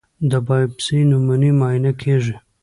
د بایوپسي نمونې معاینه کېږي.